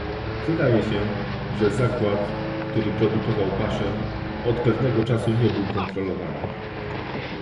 Wydaje się, że zakład, który produkował paszę, od pewnego czasu nie był kontrolowany